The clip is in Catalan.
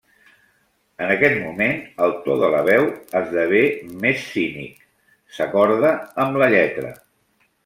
En aquest moment el to de la veu esdevé més cínic, s'acorda amb la lletra.